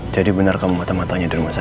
jadi benar kamu mata matanya di rumah saya